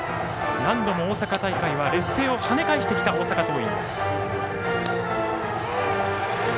何度も大阪大会は劣勢を跳ね返してきた大阪桐蔭。